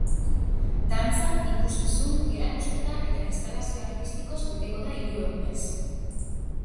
Dantza, ikuskizun, erakusketa eta instalazio artistikoz beteko da hiru egunez.